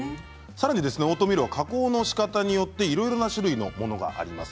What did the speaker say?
さらにオートミールは加工のしかたによっていろいろな種類のものがあります。